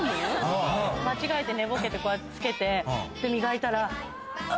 「間違えて寝ぼけてこうやって付けて磨いたら」